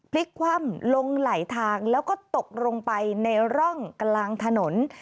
พลิกคว่ำลงไหลทางแล้วก็ตกลงไปในร่องกลางถนน